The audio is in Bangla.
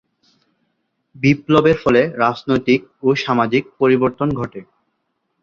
বিপ্লবের ফলে রাজনৈতিক ও সামাজিক পরিবর্তন ঘটে।